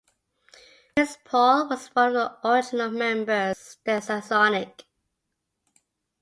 Prince Paul was one of the original members of Stetsasonic.